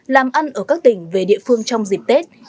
làm ăn ở các tỉnh về địa phương trong dịp tết